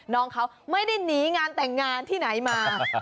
น้องเขาไม่ได้หนีงานแต่งงานที่ไหนมา